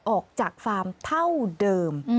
ออกจากฟาร์มเท่าเดิม